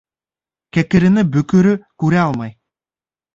Кәкерене бөкөрө күрә алмай.